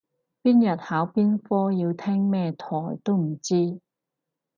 邊日考邊科要聽咩台都唔知